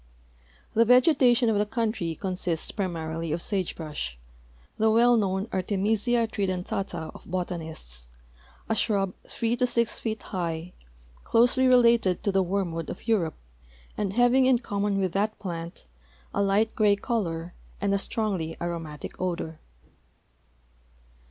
The vegetation of the country consists primarily of sage brush, the well known Artemisia tridentata of botanists, a shrub three to six feet high, closely related to the wormwood of Europe, and having in common with that plant a light gray color and a strongly aromatic odor.